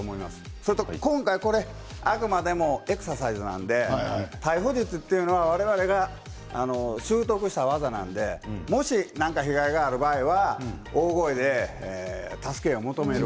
それと今回これはあくまでもエクササイズなので逮捕術というのは我々が習得した技なのでもし、何か被害がある場合は大声で助けを求める。